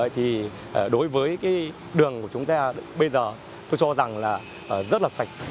thì đối với cái đường của chúng ta bây giờ tôi cho rằng là rất là sạch